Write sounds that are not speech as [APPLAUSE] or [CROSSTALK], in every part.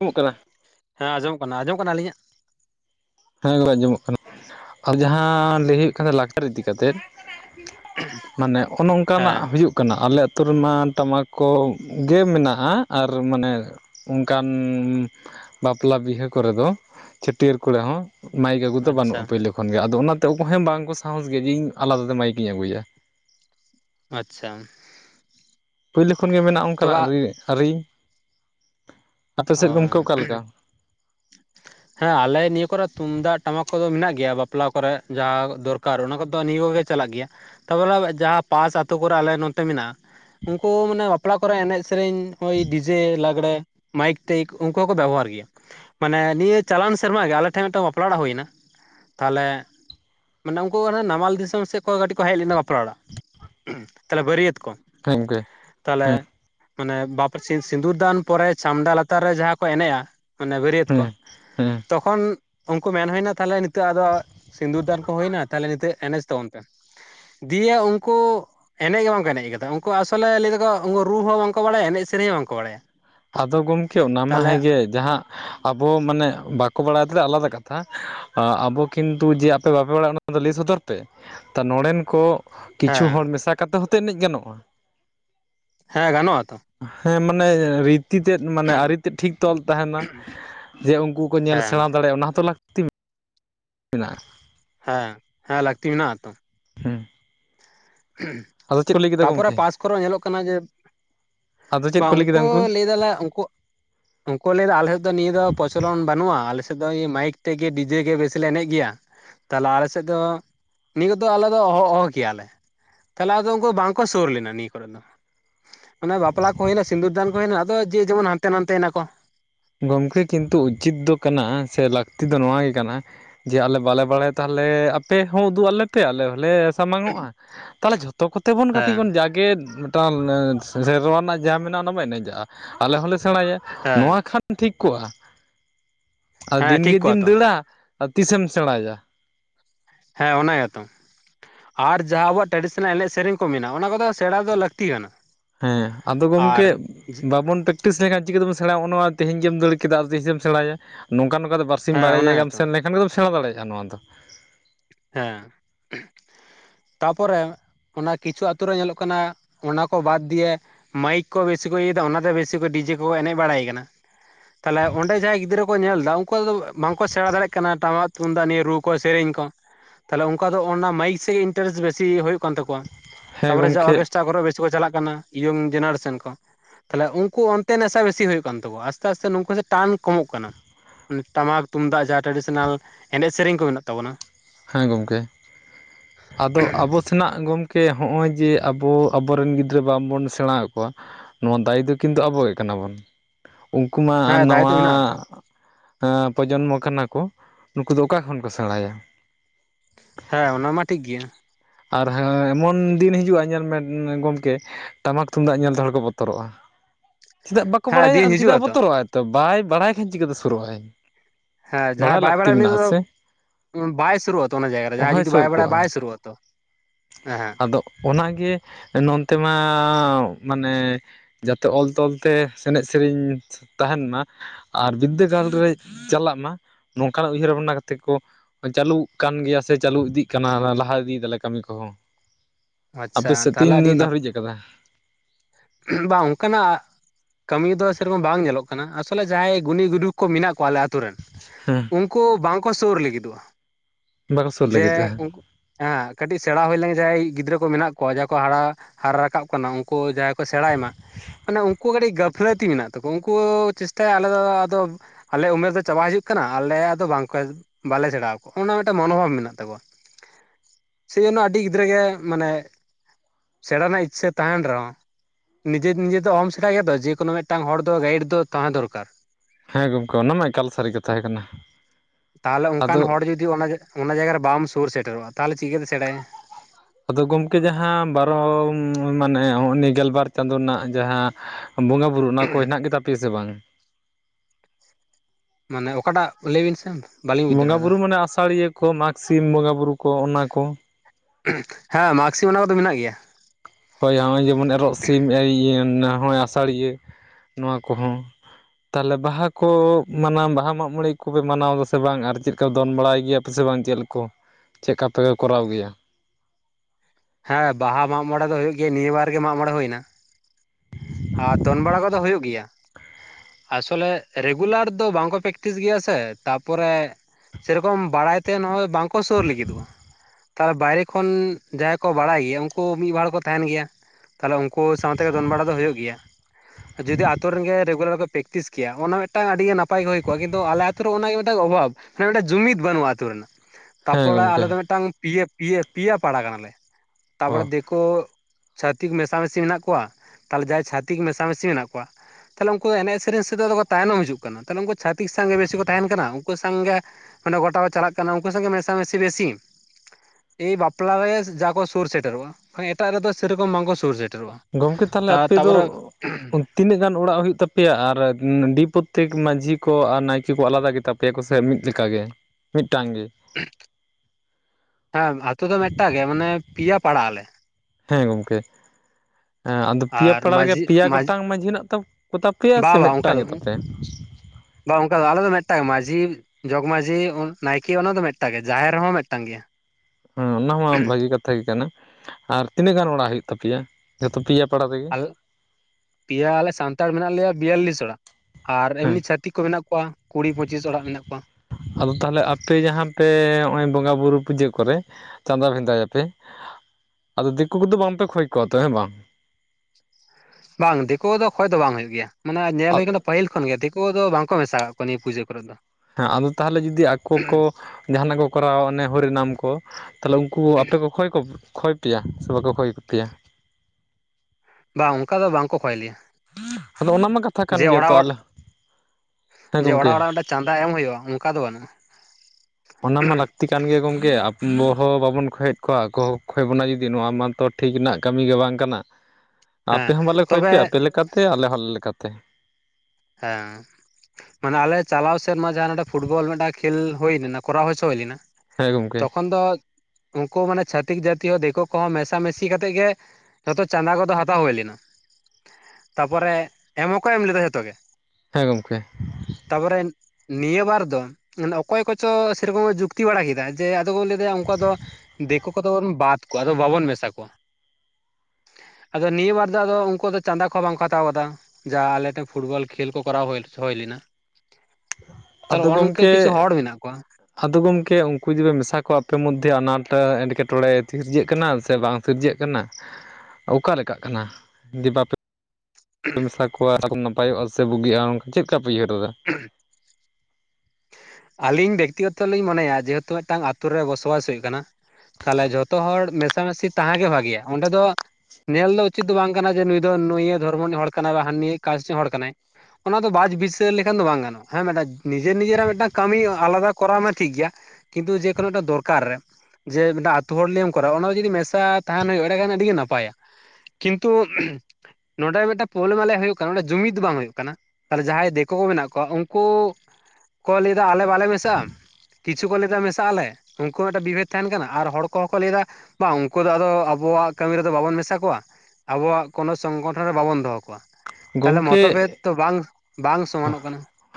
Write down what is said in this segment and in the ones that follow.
ᱢᱚᱜ ᱠᱟᱱᱟ᱾ ᱦᱮᱸ ᱚᱡᱸᱚ ᱢᱚ ᱠᱟᱱᱟ, ᱟᱡᱸᱚ ᱢᱚ ᱠᱟᱱᱟ ᱟᱹᱞᱤᱧᱟᱜ? ᱦᱮᱸ ᱜᱳ ᱟᱸᱡᱚᱢᱚᱜ ᱠᱟᱱᱟ ᱟᱨ ᱡᱟᱦᱟᱸ ᱞᱟᱹᱭ ᱦᱩᱭᱩᱜ ᱠᱟᱱᱟ ᱞᱟᱠᱛᱟᱨ ᱤᱫᱤ ᱠᱟᱛᱮᱫ [INAUDIBLE] ᱢᱟᱱᱮ ᱮᱠᱷᱚᱱᱚ ᱚᱝᱠᱟᱱᱟᱜ ᱦᱮᱸ ᱦᱩᱭᱩᱜ ᱠᱟᱱᱟ᱾ ᱟᱞᱮ ᱟᱹᱛᱩᱳ ᱨᱮᱢᱟ ᱴᱟᱢᱟᱠ ᱠᱚᱜᱮ ᱢᱮᱱᱟᱜᱼᱟ ᱟᱨ ᱢᱟᱱᱮ ᱚᱝᱠᱟᱱ ᱵᱟᱯᱞᱟ ᱵᱤᱦᱟᱹ ᱠᱚᱨᱮ ᱫᱚ ᱪᱷᱟᱹᱴᱭᱟᱹᱨ ᱠᱚᱨᱮ ᱦᱚᱸ ᱢᱟᱭᱤᱠ ᱟᱹᱜᱩ ᱫᱚ ᱟᱪᱪᱷᱟ ᱵᱟᱹᱱᱩᱜᱼᱟ ᱯᱳᱭᱞᱳ ᱠᱷᱚᱱ ᱜᱮ ᱟᱫᱚ ᱚᱱᱟᱛᱮ ᱚᱠᱚᱭ ᱦᱚᱸ ᱵᱟᱝᱠᱚ ᱥᱟᱦᱚᱥ ᱜᱮᱭᱟ ᱡᱮ ᱤᱧ ᱟᱞᱟᱫᱟ ᱛᱮ ᱢᱟᱭᱤᱠ ᱤᱧ ᱟᱹᱜᱩᱭᱟ᱾ ᱟᱪᱪᱷᱟ᱾ ᱯᱳᱭᱞᱳ ᱠᱷᱚᱱᱜᱮ ᱢᱮᱱᱟᱜ-ᱟ ᱚᱝᱠᱟᱱᱟᱜ ᱛᱚᱵᱮ ᱫᱚ ᱤ ᱟᱨᱤ᱾ ᱚᱸᱻ ᱦᱮᱸ ᱟᱞᱮ ᱱᱤᱭᱟᱹ ᱠᱚᱨᱮ ᱛᱩᱢᱫᱟᱜ ᱴᱟᱢᱟᱠ ᱠᱚᱫᱚ ᱢᱮᱱᱟᱜ ᱜᱮᱭᱟ ᱵᱟᱯᱞᱟ ᱠᱚᱨᱮᱜ ᱡᱟᱦᱟᱸ ᱫᱚᱨᱠᱟᱨ ᱚᱱᱟ ᱠᱚᱫᱚ ᱱᱤᱭᱟᱹ ᱠᱚᱜᱮ᱾ ᱪᱟᱞᱟᱜ ᱜᱮᱭᱟ ᱛᱟᱨᱯᱚᱨᱮ ᱡᱟᱦᱟᱸ ᱯᱟᱥ ᱟᱛᱳ ᱠᱚᱨᱮ ᱟᱞᱮ ᱱᱚᱛᱮ ᱢᱮᱱᱟᱜᱼᱟ ᱩᱱᱠᱩ ᱢᱟᱱᱮ ᱵᱟᱯᱞᱟ ᱠᱚᱨᱮ ᱮᱱᱮᱡ ᱥᱮᱨᱮᱧ ᱦᱳᱭ ᱰᱤᱡᱮ ᱞᱟᱜᱽᱬᱮ ᱢᱟᱭᱤᱠ ᱴᱟᱭᱤᱠ ᱩᱝᱠᱩ ᱦᱚᱸᱠᱚ ᱵᱮᱵᱚᱦᱟᱨ ᱜᱮᱭᱟ᱾ ᱢᱟᱱᱮ ᱱᱤᱭᱟᱹ ᱪᱟᱞᱟᱣᱮᱱ ᱥᱮᱨᱢᱟ ᱜᱮ ᱟᱞᱮ ᱴᱷᱮᱡ ᱢᱤᱫᱴᱟᱝ ᱵᱟᱯᱞᱟ ᱚᱲᱟᱜ ᱦᱩᱭᱱᱟ᱾ ᱛᱟᱦᱞᱮ᱾ ᱢᱟᱱᱮ ᱩᱝᱠᱩ ᱟᱨᱦᱚᱸ ᱱᱟᱢᱟᱞ ᱫᱤᱥᱚᱢ ᱥᱮᱫ ᱠᱷᱚᱡ ᱠᱟᱹᱴᱤᱡ ᱠᱚ ᱦᱮᱡ ᱞᱮᱱᱟ ᱵᱟᱯᱞᱟ ᱚᱲᱟᱜ ᱛᱟᱦᱞᱮ ᱵᱟᱹᱨᱭᱟᱹᱛ ᱠᱚ᱾ ᱦᱮᱸ ᱜᱚᱢᱠᱮ ᱛᱟᱦᱞᱮ ᱦᱮᱸ ᱢᱟᱱᱮ ᱵᱟᱯᱮ ᱥᱤ ᱥᱤᱸᱫᱩᱨ ᱫᱟᱱ ᱯᱚᱨᱮ ᱪᱷᱟᱢᱰᱟ ᱞᱟᱛᱟᱨ ᱨᱮ ᱡᱟᱦᱟᱸ ᱠᱚ ᱮᱱᱮᱡᱼᱟ ᱢᱟᱱᱮ ᱵᱟᱹᱨᱭᱟᱹᱛ ᱠᱚ ᱦᱮᱸ ᱦᱮᱸ ᱛᱚᱠᱷᱚᱱ ᱩᱝᱠᱩ ᱢᱮᱱ ᱦᱩᱭᱱᱟ ᱛᱟᱦᱞᱮ ᱱᱤᱛ ᱱᱤᱛᱚᱜ ᱟᱫᱚ ᱥᱤᱸᱫᱩᱨ ᱫᱟᱱ ᱠᱚ ᱦᱩᱭᱱᱟ ᱛᱟᱦᱞᱮ ᱱᱤᱛᱚᱜ ᱮᱱᱮᱪ ᱛᱟᱵᱚᱱ ᱯᱮ ᱫᱤᱭᱮ ᱩᱝᱠᱩ᱾ ᱮᱱᱮᱡ ᱜᱮ ᱵᱟᱝᱠᱚ ᱮᱱᱮᱡ ᱠᱟᱫᱟ ᱩᱱᱠᱩ ᱟᱥᱚᱞᱮ ᱞᱟᱹᱭᱟᱠᱚ ᱩᱱᱠᱩ ᱨᱩ ᱦᱚᱸ ᱵᱟᱝᱠᱚ ᱵᱟᱲᱟᱭᱟ ᱮᱱᱮᱡ ᱥᱮᱨᱮᱧ ᱦᱚᱸ ᱵᱟᱝᱠᱚ ᱵᱟᱲᱟᱭᱟ᱾ ᱟᱫᱚ ᱜᱚᱢᱠᱮ ᱚᱱᱟ ᱢᱟ ᱛᱟᱦᱚᱞᱮ ᱦᱮᱸᱜᱮ ᱡᱟᱦᱟᱸ ᱟᱵᱚ ᱢᱟᱱᱮ ᱵᱟᱠᱚ ᱵᱟᱲᱟᱭ ᱛᱟᱸᱦᱮᱱᱟ ᱟᱞᱟᱫᱟ ᱠᱟᱛᱷᱟ, ᱟᱵᱚ ᱠᱤᱱᱛᱩ ᱡᱮ ᱟᱯᱮ ᱵᱟᱯᱮ ᱵᱟᱲᱟᱭᱟ ᱚᱱᱟ, ᱞᱟᱹᱭ ᱥᱚᱫᱚᱨ ᱛᱮ ᱱᱚᱸᱰᱮᱱ ᱠᱚ ᱠᱤᱪᱷᱩ ᱦᱮᱸ ᱦᱚᱲ ᱢᱮᱥᱟ ᱠᱟᱛᱮ ᱦᱚᱸᱛᱚ ᱮᱱᱮᱡ ᱜᱟᱱᱚᱜᱼᱟ᱾ ᱦᱮᱸ ᱜᱟᱱᱚᱜ-ᱟ ᱛᱚ᱾ ᱦᱮᱸ ᱢᱟᱱᱮ ᱨᱤ ᱛᱤ ᱛᱮᱫ ᱢᱟᱱᱮ ᱟᱨᱤ ᱛᱮᱫ ᱴᱷᱤᱠ ᱛᱚᱞ ᱛᱟᱦᱮᱱ ᱢᱟ, ᱡᱮ ᱩᱝᱠᱩ ᱠᱚ ᱧᱮᱞ ᱦᱮᱸ ᱥᱮᱬᱟ ᱫᱟᱲᱮᱜᱼᱟ ᱚᱱᱟ ᱦᱚᱸᱛᱚ ᱞᱟᱠ ᱢᱮᱱᱟᱜᱼᱟ᱾ ᱦᱮᱸ, ᱦᱮᱸ ᱞᱟᱹᱠᱛᱤ ᱢᱮᱱᱟᱜ-ᱟ ᱛᱚ᱾ ᱦᱩᱸ ᱠᱮᱫᱟ ᱛᱟᱯᱚᱨᱮ ᱜᱚᱢᱠᱮ ᱯᱟᱥ ᱠᱚᱨᱮ ᱧᱮᱞᱚᱜ ᱠᱟᱱᱟ ᱡᱮ ᱟᱫᱚ ᱪᱮᱫ ᱵᱟᱝ ᱠᱚ ᱞᱟᱹᱭ ᱠᱮᱫᱟ ᱩᱱᱠᱩ ᱞᱟᱹᱭᱫᱟᱞᱮ ᱩᱱᱠᱩ ᱩᱱᱠᱩ ᱞᱟᱹᱭ ᱫᱟ ᱟᱞᱮᱥᱮᱫ ᱫᱚ ᱱᱤᱭᱟᱹ ᱫᱚ ᱯᱨᱚᱪᱚᱞᱚᱱ ᱵᱟᱹᱱᱩᱜᱼᱟ ᱟᱞᱮ ᱥᱮᱫ ᱫᱚ ᱢᱟᱭᱤᱠ ᱛᱮᱜᱮ ᱰᱤᱡᱮ ᱜᱮ ᱵᱮᱥᱤ ᱞᱮ ᱮᱱᱮᱡ ᱜᱮᱭᱟ᱾ ᱛᱟᱦᱚᱞᱮ ᱟᱞᱮ ᱥᱮᱫ ᱫᱚ ᱱᱤᱭᱟᱹᱫᱚ ᱟᱞᱮ ᱫᱚ ᱚᱦᱚ ᱚᱦᱚ ᱠᱮᱭᱟᱞᱮ, ᱛᱟᱸᱦᱚᱞᱮ ᱟᱫᱚ ᱩᱱᱠᱩ ᱵᱟᱝᱠᱚ ᱥᱩᱨ ᱞᱮᱱᱟ ᱱᱤᱭᱟᱹ ᱠᱚᱨᱮ ᱫᱚ ᱚᱱᱮ ᱵᱟᱯᱞᱟ ᱠᱚ ᱦᱩᱭᱮᱱᱟ ᱥᱤᱸᱫᱩᱨ ᱫᱟᱱ ᱠᱚ ᱦᱩᱭᱮᱱᱟ, ᱟᱫᱚ ᱡᱮ ᱡᱮᱢᱚᱱ ᱦᱟᱱᱛᱮ ᱱᱟᱛᱮ ᱮᱱᱟ ᱠᱚ ᱾ ᱜᱚᱢᱠᱮ ᱠᱤᱱᱛᱩ ᱩᱪᱤᱛ ᱫᱚ ᱠᱟᱱᱟ ᱥᱮ ᱞᱟᱹᱠᱛᱤ ᱫᱚ ᱱᱚᱣᱟ ᱜᱮ ᱠᱟᱱᱟ? ᱡᱮ ᱟᱞᱮ ᱵᱟᱞᱮ ᱵᱟᱲᱟᱭᱟ ᱛᱟᱸᱦᱚᱞᱮ ᱟᱯᱮ ᱦᱚᱸ ᱩᱫᱩᱜ ᱟᱞᱮ ᱯᱮ, ᱟᱞᱮ ᱦᱚᱸᱞᱮ ᱥᱟᱢᱟᱝ ᱚᱜᱼᱟ ᱛᱟᱸᱦᱚᱞᱮ ᱡᱷᱚᱛᱚ ᱠᱚᱛᱮ ᱵᱚᱱ ᱠᱟᱹᱴᱤᱡ ᱦᱮᱸ ᱵᱚᱱ ᱡᱟᱜ, ᱜᱮ ᱢᱤᱫᱴᱟᱝ ᱥᱮᱨᱣᱟ ᱨᱮᱱᱟᱜ ᱡᱟᱸᱦᱟ ᱢᱮᱱᱟᱜᱼᱟ ᱚᱱᱟᱢᱟ ᱮᱱᱮᱡᱟᱜᱼᱟ ᱾ ᱟᱞᱮ ᱦᱚᱸᱞᱮ ᱥᱮᱸᱬᱟᱭᱟ, ᱦᱮᱸ ᱱᱚᱣᱟ ᱠᱷᱟᱱ ᱴᱷᱤᱠ ᱠᱚᱜᱼᱟ, ᱟᱨ ᱦᱮᱸ ᱫᱤᱱ ᱴᱷᱤᱠ ᱜᱮ ᱠᱚᱜᱼᱟ ᱡᱚᱫᱤᱢ ᱛᱚ ᱫᱟᱹᱲᱟ ᱟᱨ ᱛᱤᱥᱮᱢ ᱥᱮᱸᱬᱟᱭᱟ ᱾ ᱦᱮᱸ ᱚᱱᱟ ᱜᱮᱛᱚ ᱟᱨ ᱡᱟᱸᱦᱟ ᱟᱵᱚᱣᱟᱜ ᱴᱨᱟᱰᱤᱥᱚᱱᱟᱞ ᱮᱱᱮᱡ ᱥᱮᱨᱮᱧ ᱠᱚ ᱢᱮᱱᱟᱜᱼᱟ ᱚᱱᱟ ᱠᱚᱫᱚ ᱥᱮᱸᱬᱟ ᱫᱚ ᱞᱟᱹᱠᱛᱤ ᱠᱟᱱᱟ᱾ ᱦᱮᱸ ᱟᱫᱚ ᱜᱚᱢᱠᱮ ᱟᱨ ᱵᱟᱵᱚᱱ ᱯᱮᱠᱴᱤᱥ ᱞᱮᱠᱷᱟᱱ ᱪᱤᱠᱟᱹᱛᱮᱢ ᱥᱮᱸᱬᱟᱭᱟ ᱱᱚᱣᱟ ᱛᱮᱸᱦᱮᱧᱮᱢ ᱫᱟᱹᱲ ᱠᱮᱫᱟ ᱟᱨ ᱛᱤᱥᱮᱢ ᱥᱮᱸᱬᱟᱭᱟ ᱾ ᱱᱚᱝᱠᱟ ᱱᱚᱝᱠᱟ ᱛᱮ ᱥᱤᱢ ᱦᱮᱸ ᱵᱟᱨᱭᱟ ᱚᱱᱟ ᱡᱟᱭᱜᱟᱢ ᱜᱮᱛᱚ ᱥᱮᱱ ᱞᱮᱱᱠᱷᱟᱱ ᱜᱮᱛᱚᱢ ᱥᱮᱸᱬᱟ ᱫᱟᱲᱮᱭᱟᱜᱼᱟ ᱱᱚᱣᱟ ᱫᱚ ᱾ ᱦᱮᱸ ᱛᱟᱯᱚᱨᱮ ᱚᱱᱟ ᱠᱤᱪᱷᱩ ᱟᱛᱳ ᱨᱮ ᱧᱮᱞᱚᱜ ᱠᱟᱱᱟ ᱚᱱᱟ ᱠᱚ ᱵᱟᱫᱽ ᱫᱤᱭᱮ ᱢᱟᱭᱤᱠ ᱠᱚ ᱵᱮᱥᱤ ᱠᱚ ᱤᱭᱟᱹᱭᱮᱫᱟ, ᱚᱱᱟᱛᱮ ᱵᱮᱥᱤ ᱠᱚ ᱰᱤᱡᱮ ᱠᱚ ᱮᱱᱮᱡ ᱵᱟᱲᱟᱭ ᱠᱟᱱᱟ᱾ ᱛᱟᱸᱦᱚᱞᱮ ᱚᱸᱰᱮ ᱡᱟᱦᱟᱸᱭ ᱜᱤᱫᱽᱨᱟᱹ ᱠᱚ ᱧᱮᱞ ᱮᱫᱟ, ᱩᱱᱠᱩ ᱫᱚ ᱵᱟᱝᱠᱚ ᱥᱮᱸᱬᱟ ᱫᱟᱲᱮᱭᱟᱜ ᱠᱟᱱᱟ ᱴᱟᱢᱟᱠ ᱛᱩᱢᱫᱟᱜ ᱱᱤᱭᱟᱹ ᱨᱩ ᱠᱚ ᱥᱮᱨᱮᱧ ᱠᱚ, ᱛᱟᱸᱦᱞᱮ ᱚᱱᱠᱟ ᱫᱚ ᱚᱱᱟ ᱢᱟᱭᱤᱠ ᱥᱮᱫ ᱤᱱᱴᱟᱨᱮᱥᱴ ᱵᱮᱥᱤ ᱦᱩᱭᱩᱜ ᱠᱟᱱ ᱛᱟᱠᱚᱣᱟ ᱾ ᱦᱮᱸ ᱛᱟᱨᱯᱚᱨᱮ ᱡᱟ ᱜᱚᱢᱠᱮ ᱚᱨᱠᱮᱥᱴᱟᱨ ᱠᱚᱨᱮ ᱵᱮᱥᱤ ᱠᱤᱪᱷᱩ ᱠᱚ ᱪᱟᱞᱟᱜ ᱠᱟᱱᱟ ᱤᱭᱚᱝ ᱡᱮᱱᱟᱲ ᱥᱮᱱ ᱠᱚ ᱛᱟᱸᱦᱚᱞᱮ ᱩᱱᱠᱩ ᱚᱱᱛᱮ ᱱᱮᱥᱟ ᱵᱮᱥᱤ ᱦᱩᱭᱩᱜ ᱠᱟᱱ ᱛᱟᱠᱚᱣᱟ, ᱟᱥᱛᱮ ᱟᱥᱛᱮ ᱱᱩᱠᱩ ᱥᱮᱫ ᱴᱟᱱ ᱠᱚᱢᱚᱜ ᱠᱟᱱᱟ᱾ ᱴᱟᱢᱟᱠ ᱛᱩᱢᱫᱟᱜ ᱡᱟ ᱴᱨᱟᱰᱤᱥᱚᱱᱟᱞ ᱮᱱᱮᱡ ᱥᱮᱨᱮᱧ ᱠᱚ ᱢᱮᱱᱟᱜ ᱛᱟᱵᱚᱱᱟ᱾ ᱦᱮᱸ ᱜᱚᱝᱠᱮ ᱟᱫᱚ ᱟᱵᱚ ᱥᱮᱱᱟᱜ ᱜᱚᱢᱠᱮ ᱦᱚᱜᱼᱚᱭ ᱡᱮ ᱟᱵᱚ ᱟᱵᱚᱨᱮᱱ ᱜᱤᱫᱽᱨᱟᱹ ᱵᱟᱝᱵᱚᱱ ᱥᱮᱸᱬᱟ ᱦᱟᱜ ᱠᱚᱣᱟ᱾ ᱱᱚᱣᱟ ᱫᱟᱭᱤ ᱫᱚ ᱠᱤᱱᱛᱩ ᱟᱵᱚᱜᱮ ᱠᱟᱱᱟ ᱵᱚᱱ᱾ᱩᱱᱠᱩ ᱢᱟ ᱦᱮᱸ ᱫᱟᱭ ᱱᱟᱣᱟ ᱫᱚ ᱢᱮᱱᱟᱜ ᱟᱛᱚ ᱦᱮᱸ ᱯᱨᱚᱡᱚᱱᱢᱚ ᱠᱟᱱᱟ ᱠᱚ, ᱱᱩᱠᱩ ᱫᱚ ᱚᱠᱟ ᱠᱷᱚᱱ ᱠᱚ ᱥᱮᱸᱬᱟᱭᱟ, ᱦᱮᱸ ᱚᱱᱟ ᱢᱟ ᱴᱷᱤᱠ ᱜᱮᱭᱟ ᱾ ᱟᱨ ᱮᱢᱚᱱ ᱫᱤᱱ ᱦᱤᱡᱩᱜᱼᱟ ᱧᱮᱞᱢᱮ ᱜᱚᱢᱠᱮ ᱴᱟᱢᱟᱠ ᱛᱩᱢᱫᱟᱜ ᱧᱮᱞᱛᱮ ᱦᱚᱲ ᱠᱚ ᱵᱚᱛᱚᱨᱚᱜᱼᱟ᱾ ᱪᱮᱫᱟᱜ ᱵᱟᱠᱚ ᱦᱮᱸ ᱵᱟᱲᱟᱭᱟ ᱫᱤᱱ ᱟᱫᱚ ᱦᱤᱡᱩᱜ ᱪᱮᱫᱟᱜ ᱟᱛᱚ ᱵᱚᱛᱚᱨᱚᱜᱼᱟ ᱛᱚ, ᱵᱟᱭ ᱵᱟᱲᱟᱭ ᱠᱷᱟᱱ ᱪᱤᱠᱟᱹᱛᱮ ᱥᱩᱨᱩᱜ ᱟᱭ᱾ ᱦᱮᱸ ᱡᱟᱦᱟᱸᱭ ᱵᱟᱭ ᱵᱟᱲᱟᱭᱟ ᱩᱱᱤ ᱫᱚ ᱵᱟᱭ ᱥᱩᱨᱩᱜ ᱟᱛᱚ, ᱚᱱᱟ ᱡᱟᱭᱜᱟ ᱨᱮ ᱡᱟᱸᱦᱟᱭ ᱦᱚᱸᱭ ᱡᱩᱫᱤ ᱵᱟᱭ ᱥᱩᱨ ᱵᱟᱲᱟᱭᱟ ᱠᱚᱜᱼᱟ ᱵᱟᱭ ᱥᱩᱨᱩᱜ ᱟᱛᱚ᱾ ᱦᱮᱸᱻ ᱟᱫᱚ ᱚᱱᱟᱜᱮ ᱱᱚᱱᱛᱮ ᱢᱟ ᱢᱟᱱᱮ ᱡᱟᱛᱮ ᱚᱞ ᱛᱚᱞᱛᱮ ᱮᱱᱮᱡ ᱥᱮᱨᱮᱧ ᱛᱟᱸᱦᱮᱱ ᱢᱟ᱾ ᱟᱨ ᱵᱤᱫᱽᱫᱟᱹᱜᱟᱲ ᱨᱮ ᱪᱟᱞᱟᱜ ᱢᱟ ᱾ ᱱᱚᱝᱠᱟᱱᱟᱜ ᱩᱭᱦᱟᱹᱨ ᱵᱷᱟᱵᱽᱱᱟ ᱠᱟᱛᱮ ᱠᱚ, ᱪᱟᱹᱞᱩᱜ ᱠᱟᱱ ᱜᱮᱭᱟ ᱥᱮ ᱪᱟᱹᱞᱩ ᱤᱫᱤᱜ ᱠᱟᱱᱟ ᱞᱟᱦᱟ ᱤᱫᱤᱭᱮᱫᱟᱞᱮ ᱠᱟᱹᱢᱤ ᱠᱚᱦᱚᱸ ᱟᱪᱪᱷᱟ ᱟᱯᱮ ᱥᱮᱫ ᱛᱟᱦᱚᱞᱮ ᱛᱤᱧ ᱟᱹᱰᱤ ᱱᱟᱯ ᱫᱷᱟᱹᱨᱤᱡᱽ ᱟᱠᱟᱫᱟ᱾ ᱵᱟᱝ ᱚᱝᱠᱟᱱᱟᱜ ᱠᱟᱹᱢᱤ ᱫᱚ ᱥᱮᱨᱚᱠᱚᱢ ᱵᱟᱝ ᱧᱮᱞᱚᱜ ᱠᱟᱱᱟ, ᱟᱥᱚᱞᱮ ᱡᱟᱦᱟᱸᱭ ᱜᱩᱱᱤ ᱜᱩᱨᱩ ᱠᱚ ᱢᱮᱱᱟᱜ ᱠᱚᱣᱟ ᱟᱞᱮ ᱟᱛᱳ ᱨᱮᱱ ᱦᱮᱸ ᱩᱱᱠᱩ ᱵᱟᱝᱠᱚ ᱥᱩᱨ ᱞᱟᱹᱜᱤᱫᱚᱜᱼᱟ ᱵᱟᱠᱚ ᱥᱩᱨ ᱡᱮ ᱞᱟᱹᱜᱤᱫ ᱛᱮ ᱩᱱᱠᱩ ᱦᱮᱸ ᱠᱟᱹᱴᱤᱡ ᱥᱮᱸᱬᱟ ᱦᱩᱭ ᱞᱮᱱ ᱡᱟᱦᱟᱸᱭ ᱜᱤᱫᱽᱨᱟᱹ ᱠᱚ ᱢᱮᱱᱟᱜ ᱠᱚᱣᱟ, ᱡᱟᱦᱟᱸᱭ ᱠᱚ ᱦᱟᱨᱟ ᱨᱟᱠᱟᱵ ᱠᱟᱱᱟ ᱩᱱᱠᱩ ᱡᱟᱸᱦᱟ ᱠᱚ ᱥᱮᱸᱬᱟᱭ ᱢᱟ ᱢᱟᱱᱮ ᱩᱱᱠᱩ ᱠᱟᱹᱴᱤᱡ ᱜᱟᱹᱯᱷᱞᱟᱹᱛᱤ ᱢᱮᱱᱟᱜ ᱛᱟᱠᱚ ᱩᱱᱠᱩ ᱪᱮᱥᱴᱟᱭᱟ ᱟᱞᱮᱫᱚ ᱟᱫᱚ ᱟᱞᱮ ᱩᱢᱮᱨ ᱫᱚ ᱪᱟᱵᱟ ᱦᱤᱡᱩᱜ ᱠᱟᱱᱟ, ᱟᱞᱮᱭᱟᱜ ᱫᱚ ᱵᱟᱝᱠᱚ ᱵᱟᱞᱮ ᱥᱮᱸᱲᱟ ᱟᱠᱚ ᱚᱱᱟ ᱢᱤᱫᱴᱟᱝ ᱢᱚᱱᱳᱵᱷᱟᱵᱽ ᱢᱮᱱᱟᱜ ᱛᱟᱠᱚᱣᱟ᱾ ᱥᱮ ᱡᱚᱱᱱᱚ ᱟᱹᱰᱤ ᱜᱤᱫᱽᱨᱟᱹ ᱜᱮ ᱢᱟᱱᱮ ᱥᱮᱸᱬᱟ ᱨᱮᱱᱟᱜ ᱤᱪᱪᱷᱟᱹ ᱛᱟᱸᱦᱮᱱ ᱨᱮᱦᱚᱸ ᱾ ᱱᱤᱡᱮ ᱱᱤᱡᱮ ᱫᱚ ᱚᱦᱚᱢ ᱥᱮᱸᱬᱟᱭ ᱜᱮᱭᱟ ᱛᱚ ᱡᱮᱠᱳᱱᱳ ᱢᱤᱫᱴᱟᱝ ᱦᱚᱲ ᱫᱚ ᱜᱟᱭᱤᱰ ᱫᱚ ᱛᱟᱸᱦᱮ ᱫᱚᱨᱠᱟᱨ᱾ ᱦᱮᱸ ᱜᱚᱢᱠᱮ ᱚᱱᱟ ᱢᱟ ᱮᱠᱟᱞ ᱥᱟᱨᱤ ᱠᱟᱛᱷᱟ ᱜᱮ ᱠᱟᱱᱟ᱾ ᱛᱟᱸᱦᱚᱞᱮ ᱟᱫᱚ ᱚᱱᱠᱟᱱ ᱦᱚᱲ ᱡᱩᱫᱤ ᱚᱱᱟ ᱡᱟᱭᱜᱟ ᱨᱮ ᱵᱟᱢ ᱥᱩᱨ ᱥᱮᱴᱮᱨᱚᱜᱼᱟ ᱛᱟᱸᱦᱚᱞᱮ ᱪᱤᱠᱟᱹᱛᱮ ᱥᱮᱸᱬᱟᱭᱟ᱾ ᱟᱫᱚ ᱜᱚᱢᱠᱮ ᱡᱟᱸᱦᱟ ᱵᱟᱨᱚ ᱢᱟᱱᱮ ᱱᱚᱜ ᱚᱭ ᱜᱮᱞᱵᱟᱨ ᱪᱟᱸᱫᱚ ᱨᱮᱱᱟᱜ ᱡᱟᱸᱦᱟ, ᱵᱚᱸᱜᱟ ᱵᱩᱨᱩ ᱚᱱᱟ ᱠᱚ ᱦᱮᱱᱟᱜ ᱜᱮ ᱛᱟᱯᱮᱭᱟ ᱥᱮ ᱵᱟᱝ? ᱢᱟᱱᱮ ᱚᱠᱟᱴᱟᱜ ᱞᱟᱹᱭ ᱵᱤᱱ ᱥᱮ᱾ ᱵᱟᱹᱞᱤᱧ ᱵᱩᱡᱽ ᱵᱚᱸᱜᱟ ᱫᱟᱲᱮᱭᱟᱫᱟ ᱵᱩᱨᱩ ᱢᱟᱱᱮ ᱟᱥᱟᱲᱤᱭᱟᱹ ᱠᱚ ᱢᱟᱜᱽ ᱥᱤᱢ ᱵᱚᱸᱜᱟ ᱵᱩᱨᱩ ᱠᱚ ᱚᱱᱟ ᱠᱚ᱾ ᱦᱮᱸ ᱢᱟᱜᱽ ᱥᱤᱢ ᱚᱱᱟ ᱠᱚᱫᱚ ᱢᱮᱱᱟᱜ ᱜᱮᱭᱟ᱾ ᱦᱳᱭ ᱦᱚᱸᱜᱼᱚᱭ ᱡᱮᱢᱚᱱ ᱮᱨᱚᱜ ᱥᱤᱢ ᱮ ᱤᱭᱟᱹ ᱱᱚ ᱦᱚᱭ ᱟᱥᱟᱲᱤᱭᱟᱹ ᱱᱚᱣᱟ ᱠᱚᱦᱚᱸ ᱛᱟᱞᱦᱮ ᱵᱟᱦᱟ ᱠᱚ ᱢᱟᱱᱟᱣ ᱵᱟᱦᱟ ᱢᱟᱜ ᱢᱚᱬᱮ ᱠᱚᱯᱮ ᱢᱟᱱᱟᱣᱫᱟ ᱥᱮ ᱵᱟᱝ? ᱟᱨ ᱪᱮᱜ ᱞᱮᱠᱟ ᱫᱚᱱ ᱵᱟᱲᱟᱭ ᱜᱮᱭ ᱥᱮ ᱵᱟᱝ ᱡᱮᱞᱠᱚ ᱪᱮᱜ ᱠᱟᱯᱮ ᱜᱮ ᱠᱚᱨᱟᱣ ᱜᱮᱭᱟ? ᱦᱮᱸ ᱵᱟᱦᱟ ᱢᱟᱜ ᱢᱚᱬᱮ ᱫᱚ ᱦᱩᱭᱩᱜ ᱜᱮ ᱱᱤᱭᱟᱹ ᱵᱟᱨ ᱜᱮ ᱢᱟᱜ ᱢᱬᱮ ᱦᱩᱭᱱᱟ᱾ ᱟ ᱫᱚᱱ ᱵᱟᱲᱟ ᱠᱚᱫᱚ ᱦᱩᱭᱩᱜ ᱜᱤᱭᱟ᱾ ᱟᱥᱚᱞᱮ ᱨᱮᱜᱩᱞᱟᱨ ᱫᱚ ᱵᱟᱝᱠᱚ ᱯᱮᱠᱴᱤᱥ ᱜᱮᱭᱟ ᱥᱮ ᱛᱟᱯᱚᱨᱮ ᱥᱮᱨᱚᱠᱚᱢ ᱵᱟᱲᱟᱭ ᱛᱮ ᱱᱚᱜᱼᱚᱭ ᱵᱟᱝᱠᱚ ᱥᱩᱨ ᱞᱟᱹᱜᱤᱫᱚᱜᱼᱟ᱾ ᱛᱟᱦᱮ ᱵᱟᱭᱨᱮ ᱠᱷᱚᱱ ᱡᱟᱦᱟᱸᱭ ᱠᱚ ᱵᱟᱲᱟᱭ ᱜᱮᱭᱟ ᱩᱝᱠᱩ ᱢᱤᱜ ᱵᱟᱨ ᱠᱚ ᱛᱟᱦᱮᱱ ᱜᱮᱭᱟ ᱛᱟᱦᱞᱮ ᱩᱝ ᱠᱩ ᱥᱟᱶᱛᱮ ᱜᱮ ᱫᱚᱱ ᱵᱟᱲᱟ ᱫᱚ ᱦᱩᱭᱩᱜ ᱜᱮᱭᱟ᱾ ᱡᱩᱫᱤ ᱟᱛᱳ ᱨᱮᱱ ᱜᱮ ᱨᱮᱜᱩᱞᱟᱨ ᱯᱮᱠᱴᱤᱥ ᱠᱮᱭᱟ ᱚᱱᱟ ᱢᱤᱜᱴᱟᱝ ᱟᱹᱰᱤ ᱜᱮ ᱱᱟᱯᱟᱭ ᱜᱮ ᱦᱩᱭ ᱠᱚᱜᱼᱟ ᱠᱤᱱᱛᱩ ᱟᱞᱮ ᱟᱛᱩᱨ ᱨᱮ ᱚᱱᱟ ᱢᱟᱜ ᱚᱵᱷᱟᱵᱽ ᱦᱮᱸ ᱱᱚᱸᱰᱮ ᱡᱩᱢᱤᱫ ᱵᱟᱹᱱᱩᱜᱼᱟ ᱟᱹᱛᱩ ᱨᱮᱱᱟᱜ ᱦᱮᱸ ᱛᱟᱯᱚᱨᱮ ᱟᱞᱮ ᱫᱚ ᱜᱚᱢᱠᱮ ᱢᱤᱫᱴᱟᱝ ᱯᱤᱭᱟᱹ ᱯᱤᱭᱟᱹ ᱯᱮᱭᱟ ᱯᱟᱲᱟ ᱠᱟᱱᱟᱞᱮ ᱛᱟᱯᱚᱲᱮ ᱚ ᱫᱤᱠᱩ ᱪᱷᱟᱹᱛᱤᱠ ᱢᱮᱥᱟᱢᱤᱥᱤ ᱢᱮᱱᱟᱜ ᱠᱚᱣᱟ ᱛᱟᱞᱮ ᱡᱟᱭ ᱪᱷᱟᱛᱤᱠ ᱢᱮᱥᱟ ᱢᱮᱥᱤ ᱢᱮᱱᱟᱜ ᱠᱚᱣᱟ ᱛᱟᱞᱦᱮ ᱩᱱᱠᱩ ᱫᱚ ᱮᱱᱮᱜ ᱥᱮᱨᱮᱧ ᱥᱮᱫ ᱫᱚ ᱟᱫᱚ ᱠᱚ ᱛᱟᱭᱱᱚᱜ ᱦᱤᱡᱩᱜ ᱠᱟᱱᱟ᱾ ᱭᱟᱞᱮ ᱩᱝ ᱪᱷᱟᱹᱛᱤᱠ ᱥᱟᱝᱜᱮ ᱵᱮᱥᱤ ᱠᱚ ᱛᱟᱦᱮᱱ ᱠᱟᱱᱟ᱾ ᱩᱱᱠᱩ ᱥᱟᱝᱜᱮ ᱢᱟᱱᱮ ᱜᱦᱚᱴᱟᱣ ᱪᱟᱞᱟᱜ ᱠᱟᱱᱟ ᱩᱝᱠᱩ ᱥᱟᱝᱜᱮ ᱢᱮᱥᱟᱢᱮᱥᱤ ᱵᱮᱥᱤ᱾ ᱮᱭ ᱵᱟᱯᱞᱟ ᱨᱮ ᱡᱟ ᱠᱚ ᱥᱩᱨ ᱥᱮᱴᱮᱨᱚᱜᱼᱟ᱾ ᱵᱟᱝ ᱮᱴᱟᱜ ᱨᱮᱫᱚ ᱥᱮᱹᱨᱚᱠᱚᱢ ᱵᱟᱝᱠᱚ ᱥᱩᱨ ᱥᱮᱴᱮᱨᱚᱜᱼᱟ᱾ ᱜᱚᱝᱠᱮ ᱛᱟᱞᱦᱮ ᱛᱟ ᱟᱯᱮ ᱫᱚ ᱛᱟᱯᱚᱨᱮ ᱟᱱ ᱛᱤᱱᱟᱹᱜ ᱜᱟᱱ ᱚᱲᱟᱜ ᱦᱩᱭᱩᱜ ᱛᱟᱯᱮᱭᱟ? ᱟᱨ ᱰᱤ ᱯᱚᱛᱛᱮᱠ ᱢᱟᱺᱡᱷᱤ ᱠᱚ ᱟᱨ ᱱᱟᱭᱠᱮ ᱠᱚ ᱟᱞᱟᱫᱟ ᱜᱮ ᱛᱟᱯ ᱯᱮ ᱠᱚᱥᱮᱫ ᱢᱤᱜ ᱞᱮᱠᱟ ᱜᱮ ᱢᱤᱫᱴᱟᱝ ᱜᱮ ᱦᱮᱸ ᱟᱛᱳ ᱫᱚ ᱢᱮᱜᱴᱟᱝ ᱜᱮ ᱢᱟᱱᱮ ᱯᱮᱭᱟ ᱯᱟᱲᱟᱜ-ᱟ ᱞᱮ᱾ ᱦᱮᱸ ᱜᱚᱝᱠᱮ ᱦᱮᱸ ᱟᱫᱚ ᱯᱮᱭᱟ ᱟᱨ ᱯᱟᱲᱟ ᱨᱮᱜᱮ ᱢᱟᱺᱡᱷᱤ ᱯᱮᱭᱟ ᱜᱚᱴᱟᱝ ᱢᱟᱺᱡᱷᱤ ᱦᱮᱱᱟᱜ ᱛᱟᱯ ᱠᱚᱛᱟᱯᱮᱭᱟ ᱥᱮ ᱵᱟ ᱵᱟ ᱚᱱᱠᱟ ᱢᱤᱜᱴᱟᱝ ᱜᱮ ᱫᱚ ᱛᱟᱯᱮᱭᱟ? ᱵᱟᱝ ᱚᱝᱠᱟ ᱫᱚ ᱟᱞᱮ ᱫᱚ ᱢᱤᱫᱴᱟᱝ ᱢᱟᱺᱡᱷᱤ ᱡᱚᱜᱽᱢᱟᱺᱡᱷᱤ ᱩᱢ ᱱᱟᱭᱠᱮ ᱚᱱᱟ ᱫᱚ ᱢᱤᱜᱴᱟᱝ ᱜᱮ ᱡᱟᱦᱮᱨ ᱦᱚᱸ ᱢᱤᱜᱴᱟᱝ ᱜᱮᱭᱟ᱾ ᱦᱚᱸ ᱚᱱᱟ ᱦᱚᱸ ᱵᱷᱟᱹᱜᱤ ᱠᱟᱛᱷᱟ ᱜᱮ ᱠᱟᱱᱟ᱾ ᱟᱨ ᱛᱤᱱᱟᱹᱜ ᱜᱟᱱ ᱚᱲᱟᱜ ᱦᱩᱭᱩᱜ ᱛᱟᱯᱮᱭᱟ? ᱡᱚᱛᱚ ᱯᱮᱭᱟ ᱯᱟᱲᱟ ᱨᱮ ᱟᱹᱜ ᱯᱮᱭᱟ ᱟᱞᱮ ᱥᱟᱱᱛᱟᱲ ᱢᱮᱱᱟᱜ ᱞᱮᱭᱟ ᱵᱤᱭᱟᱞᱞᱤᱥ ᱚᱲᱟᱜ᱾ ᱟᱨ ᱮᱢᱱᱤ ᱦᱮᱸ ᱪᱷᱟᱹᱛᱤᱠ ᱠᱚ ᱢᱮᱱᱟᱜ ᱠᱚᱣᱟ ᱠᱩᱲᱤ ᱯᱩᱪᱤᱥ ᱚᱲᱟᱜ ᱢᱮᱱᱟᱜ ᱠᱚᱣᱟ᱾ ᱟᱫᱚ ᱛᱟᱞᱦᱮ ᱟᱯᱮ ᱡᱟᱦᱟᱸ ᱯᱮ ᱦᱚᱸᱜᱼᱚᱭ ᱵᱚᱸᱜᱟ ᱵᱩᱨᱩ ᱯᱩᱡᱟᱹ ᱠᱚᱨᱮ ᱪᱟᱸᱫᱟ ᱵᱷᱮᱸᱫᱟᱭᱟᱯᱮ ᱟᱫᱚ ᱫᱤᱠᱩ ᱠᱚᱫᱚ ᱵᱟᱝᱯᱮ ᱠᱷᱚᱭ ᱠᱚᱣᱟ ᱛᱚ ᱦᱮᱸ ᱵᱟᱝ? ᱵᱟᱝ ᱫᱤᱠᱩ ᱠᱚᱫᱚ ᱠᱷᱚᱭ ᱫᱚ ᱵᱟᱝ ᱦᱩᱭᱩᱜ ᱜᱮᱭᱟ ᱢᱟᱱᱮ ᱧᱮᱞ ᱦᱩᱭ ᱠᱟᱱᱟ ᱯᱟᱹᱦᱤᱞ ᱠᱷᱚᱱ ᱜᱮ ᱫᱤᱠᱩ ᱠᱚᱫᱚ ᱵᱟᱝᱠᱚ ᱢᱮᱥᱟ ᱠᱟᱜ ᱠᱚᱣᱟ ᱱᱤᱭᱟᱹ ᱯᱩᱡᱟᱹ ᱠᱚᱨᱮ ᱫᱚ᱾ ᱦᱮᱸ ᱟᱫᱚ ᱛᱟᱦᱚᱞᱮ ᱡᱩᱫᱤ ᱟᱠᱚ ᱠᱚ ᱡᱟᱦᱟᱸ ᱱᱟᱜ ᱠᱚ ᱠᱚᱨᱟᱣᱟ ᱚᱱᱮ ᱦᱚᱨᱮ ᱱᱟᱢ ᱠᱚ ᱛᱟᱦᱚᱞᱮ ᱩᱱᱼᱼ ᱠᱩ ᱟᱯᱮ ᱠᱚ ᱠᱷᱚᱭ ᱠᱚ ᱠᱷᱚᱭ ᱯᱮᱭᱟ ᱥᱮ ᱵᱟᱠᱚ ᱠᱷᱚᱭ ᱯᱮᱭᱟ? ᱵᱟᱝ ᱚᱱᱠᱟ ᱫᱚ ᱵᱟᱝ ᱠᱚ ᱠᱚᱭ ᱞᱮᱭᱟ᱾ ᱟᱫᱚ ᱚᱱᱟ ᱢᱟ ᱠᱟᱛᱷᱟ ᱠᱟᱱ ᱡᱮ ᱜᱮᱭᱟ ᱛᱚ ᱚᱲᱟᱜ ᱚᱲᱟᱜ ᱟᱞᱮ, ᱦᱮᱸ ᱡᱮ ᱜᱚᱝᱠᱮ᱾ ᱚᱲᱟᱜ ᱚᱲᱟᱜ ᱢᱤᱫᱴᱟᱝ ᱪᱟᱸᱫᱟ ᱮᱢ ᱦᱩᱭᱩᱜ-ᱟ ᱚᱱᱠᱟ ᱫᱚ ᱵᱟᱹᱱᱩᱜ-ᱟ᱾ ᱚᱱᱟᱢᱟ ᱞᱟᱠ ᱛᱤ ᱠᱟᱱ ᱜᱮᱭᱟ ᱜᱚᱝᱠᱮ ᱟᱢᱵᱚ ᱦᱚᱸ ᱵᱟᱵᱚᱱ ᱠᱷᱚᱭᱮᱫ ᱠᱚᱣᱟ ᱟᱠᱚ ᱦᱚᱸ ᱠᱷᱚᱭ ᱵᱚᱱᱟ ᱡᱩᱫᱤ ᱱᱚᱣᱟ ᱢᱟᱛᱚ ᱴᱷᱤᱠ ᱨᱮᱱᱟᱜ ᱠᱟᱹᱢᱤ ᱜᱮ ᱵᱟᱝ ᱠᱟᱱᱟ᱾ ᱦᱮᱸ ᱟᱯᱮ ᱦᱚᱸ ᱵᱟᱞᱮ ᱠᱷᱚᱭ ᱛᱚᱵᱮ ᱯᱮᱭᱟ ᱟᱯᱮ ᱞᱮᱠᱟᱛᱮ ᱟᱞᱮ ᱦᱚᱸ ᱟᱞᱮ ᱞᱮᱠᱟᱛᱮ ᱦᱮᱸ ᱢᱟᱱᱮ ᱟᱞᱮ ᱪᱟᱞᱟᱣ ᱥᱮᱨᱢᱟ ᱡᱟᱦᱟᱸ ᱱᱚᱸᱰᱮ ᱯᱷᱩᱴᱵᱚᱞ ᱢᱤᱜᱴᱟᱝ ᱠᱷᱮᱞ ᱦᱩᱭ ᱞᱮᱱᱟ ᱠᱚᱨᱟᱣ ᱦᱚᱪᱚ ᱦᱩᱭ ᱞᱮᱱᱟ ᱦᱮᱸ ᱜᱚᱢᱠᱮ ᱛᱚᱠᱷᱚᱱ ᱫᱚ ᱩᱝᱠᱩ ᱢᱟᱱᱮ ᱪᱷᱟᱹᱛᱤᱠ ᱡᱟᱹᱛᱤ ᱦᱚᱸ ᱫᱤᱠᱩ ᱠᱚᱦᱚᱸ ᱢᱮᱥᱟᱢᱥᱤᱤ ᱠᱟᱛᱮᱜ ᱜᱮ ᱡᱷᱚᱛᱚ ᱪᱟᱸᱫᱟ ᱠᱚᱫᱚ ᱦᱟᱛᱟᱣ ᱦᱩᱭ ᱞᱮᱱᱟ᱾ ᱛᱟᱯᱚᱨᱮ ᱮᱢ ᱦᱚᱸᱠᱚ ᱮᱢ ᱞᱮᱫᱟ ᱡᱷᱚᱛᱚ ᱜᱮ᱾ ᱦᱮᱸ ᱜᱚᱝᱠᱮ ᱛᱟᱵᱚ ᱨᱮᱱ ᱱᱤᱭᱟᱹ ᱵᱟᱨ ᱫᱚ ᱢᱟᱱᱮ ᱚᱠᱚᱭ ᱠᱚᱪᱚ ᱥᱮᱨᱚᱠᱚᱢ ᱡᱩᱠᱛᱤ ᱵᱟᱲᱟ ᱠᱮᱫᱟ ᱡᱮ ᱟᱫᱚ ᱵᱚᱱ ᱞᱟᱹᱭ ᱫᱟ ᱩᱝᱠᱩᱣᱟᱜ ᱫᱚ ᱫᱤᱠᱩ ᱠᱚᱫᱚ ᱵᱚᱱ ᱵᱟᱫ ᱠᱚᱣᱟ ᱟᱫᱚ ᱵᱟᱵᱩᱱ ᱢᱮᱥᱟ ᱠᱚᱣᱟ᱾ ᱟᱫᱚ ᱱᱤᱭᱟᱹ ᱵᱟᱨ ᱫᱚ ᱟᱫᱚ ᱩᱝᱠᱩ ᱫᱚ ᱪᱟᱸᱫᱟ ᱠᱚᱦᱚᱸ ᱵᱟᱝᱠᱚ ᱦᱟᱛᱟᱣ ᱠᱟᱫᱟ ᱡᱟ ᱟᱞᱮ ᱴᱷᱮᱜ ᱯᱷᱩᱴᱵᱚᱞ ᱠᱷᱮᱞ ᱠᱚ ᱠᱚᱨᱟᱣ ᱦᱚᱭ ᱦᱚᱭ ᱞᱮᱱᱟ ᱛᱟᱦᱚᱞᱮ ᱟᱫᱚ ᱚᱱ ᱤᱱᱠᱟᱹ ᱠᱤᱪᱷᱩ ᱜᱚᱢᱠᱮ ᱦᱚᱲ ᱢᱮᱱᱟᱜ ᱠᱚᱣᱟ᱾ ᱟᱫᱚ ᱜᱚᱝᱠᱮ ᱩᱱᱠᱩ ᱡᱩᱫᱤ ᱢᱮᱥᱟ ᱠᱚᱣᱟ ᱟᱯᱮ ᱢᱚᱫᱽᱫᱷᱮ ᱟᱱᱟᱴ ᱮᱸᱴᱠᱮᱴᱚᱬᱮ ᱥᱤᱨᱡᱟᱹᱜ ᱠᱟᱱᱟ ᱥᱮ ᱵᱟᱝ? ᱥᱤᱨᱡᱟᱹᱜ ᱠᱟᱱᱟ ᱚᱠᱟ ᱞᱮᱠᱟᱜ ᱠᱟᱱᱟ ᱡᱮ ᱵᱟᱯᱮᱼᱼ [INAUDIBLE] ᱯᱮ ᱢᱮᱥᱟ ᱠᱚᱣᱟ ᱱᱟᱯᱟᱭᱚᱜ-ᱟ ᱥᱮ ᱵᱩᱜᱤᱜ-ᱟ ᱱᱚᱝᱠᱟ ᱪᱮᱫ ᱞᱮᱠᱟ ᱯᱮ ᱩᱭᱦᱟᱹᱨᱮᱫᱟ? ᱩᱸᱦ᱾ [UNINTELLIGIBLE] ᱟᱞᱤᱧ ᱵᱮᱠᱛᱤ ᱜᱚᱛᱚ ᱞᱤᱧ ᱢᱚᱱᱮᱭᱟ ᱡᱮᱦᱮᱛᱩ ᱢᱤᱫᱴᱟᱝ ᱟᱛᱩ ᱨᱮ ᱵᱚᱥᱚᱵᱟᱥ ᱦᱩᱭᱩᱜ ᱠᱟᱱᱟ᱾ ᱛᱟᱦᱚᱞᱮ ᱡᱷᱚᱛᱚ ᱦᱚᱲ ᱢᱮᱥᱟᱼᱢᱥᱤᱤ ᱛᱟᱦᱮᱸ ᱜᱮ ᱵᱷᱟᱜᱤᱭᱟ ᱚᱸᱰᱮ ᱫᱚᱼᱼ ᱧᱮᱞ ᱫᱚ ᱩᱪᱤᱛ ᱫᱚ ᱵᱟᱝ ᱠᱟᱱᱟ ᱡᱮ ᱱᱩᱭ ᱫᱚ ᱱᱩᱭᱟᱹ ᱫᱷᱚᱨᱢᱚ ᱨᱮᱱ ᱦᱚᱲ ᱠᱟᱱᱟᱭ ᱵᱟ ᱦᱟᱱ ᱱᱤᱭᱟᱹ ᱠᱟᱥᱴ‌ ᱨᱮᱱ ᱦᱚᱲ ᱠᱟᱱᱟᱭ᱾ ᱚᱱᱟ ᱫᱚ ᱵᱟᱡᱽ ᱵᱤᱥᱟᱹᱨ ᱞᱮᱠᱷᱟᱱ ᱫᱚ ᱵᱟᱝ ᱜᱟᱱᱚᱜ-ᱟ ᱦᱮᱸ ᱢᱮᱫᱴᱟᱝ ᱱᱤᱡᱮᱨ ᱱᱤᱡᱮᱨᱟᱜ ᱢᱮᱜᱴᱟᱝ ᱠᱟᱢᱤ ᱟᱞᱟᱫᱟᱼᱼ ᱠᱚᱨᱟᱣ ᱢᱮ ᱴᱷᱤᱠ ᱜᱮᱭᱟ ᱠᱤᱱᱛᱩ ᱡᱮ ᱠᱚᱱᱚ ᱴᱟᱜ ᱫᱚᱨᱠᱟᱨ ᱨᱮ᱾ ᱡᱮ ᱢᱤᱫᱴᱟᱝ ᱟᱛᱩ ᱦᱚᱲ ᱞᱟᱹᱭᱮᱢ ᱠᱚᱨᱟᱣᱟ ᱚᱱᱟ ᱡᱩᱫᱤ ᱢᱮᱥᱟ ᱛᱟᱦᱮᱱ ᱦᱩᱭᱩᱜ-ᱟ ᱮᱱᱮ ᱠᱷᱟᱱ ᱟᱹᱰᱤ ᱜᱮ ᱱᱟᱯᱟᱭᱟ᱾ ᱠᱤᱱᱛᱩ ᱩᱸᱦᱩᱼᱼ [UNINTELLIGIBLE] ᱱᱚᱸᱰᱮ ᱢᱤᱫᱴᱟᱝ ᱯᱳᱞ ᱢᱟᱞᱮ ᱦᱩᱭᱩᱜ ᱠᱟᱱᱟ ᱱᱚᱱᱰᱮ ᱡᱩᱢᱤᱫᱽ ᱫᱚ ᱵᱟᱝ ᱦᱩᱭᱩᱜ ᱠᱟᱱᱟ ᱛᱟᱦᱚᱞᱮ ᱡᱟᱦᱟᱸᱭ ‌ᱫᱮᱠ ᱠᱚ ᱦᱚᱸ ᱢᱮᱱᱟᱜ ᱠᱚᱣᱟ ᱩᱱᱠᱩ ᱠᱚ ᱞᱟᱹᱭ ᱫᱟ ᱟᱞᱮ ᱵᱟᱞᱮ ᱢᱮᱥᱟᱜ-ᱟ᱾ ᱠᱤᱪᱷᱩ ᱠᱚ ᱞᱟᱹᱭ ᱫᱟ ᱢᱮᱥᱟᱜ ᱟᱞᱮ ᱩᱱᱠᱩ ᱢᱤᱫᱴᱮᱱ ᱵᱤᱵᱷᱮᱫ ᱛᱟᱦᱮᱱ ᱠᱟᱱᱟ ᱟᱨ ᱦᱚᱲ ᱠᱚᱦᱚᱸ ᱠᱚ ᱞᱟᱹᱭ ᱫᱟᱼᱼ ᱵᱟᱝ ᱩᱱᱠᱩ ᱫᱚ ᱟᱫᱚ ᱟᱵᱚᱣᱟᱜ ᱠᱟᱹᱢᱤ ᱨᱮᱫᱚ ᱵᱟᱵᱚᱱ ᱢᱮᱥᱟ ᱠᱚᱣᱟ᱾ ᱟᱵᱚᱣᱟᱜ ᱠᱚᱱᱚ ᱥᱚᱝᱜᱷᱚᱴᱷᱚᱱ ᱨᱮ ᱵᱟᱵᱚᱱ ᱫᱚᱦᱚ ᱠᱚᱣᱟ ᱛᱟᱦᱞᱮ ᱢᱚᱛᱚ ᱵᱷᱮᱫ ᱛᱚ ᱵᱟᱝ ᱵᱟᱝᱼᱼ ᱦᱚ,